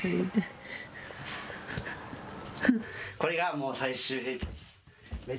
これがもう最終兵器です。